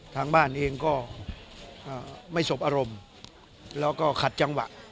ทางบ้านเองก็ไม่สบอารมณ์แล้วก็ขัดจังหวะ